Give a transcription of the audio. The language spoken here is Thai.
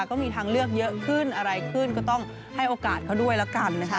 ก็มีทางเลือกเยอะขึ้นอะไรขึ้นก็ต้องให้โอกาสเขาด้วยแล้วกันนะคะ